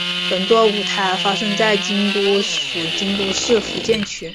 本作舞台发生在京都府京都市伏见区。